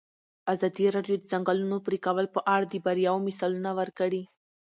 ازادي راډیو د د ځنګلونو پرېکول په اړه د بریاوو مثالونه ورکړي.